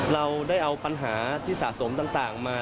เราได้เอาปัญหาที่สะสมต่างมา